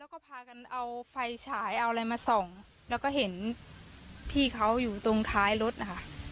แล้วก็พากันเอาไฟฉายเอาอะไรมาส่องแล้วก็เห็นพี่เขาอยู่ตรงท้ายรถนะคะ